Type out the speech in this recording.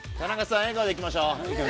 笑顔でいきましょう。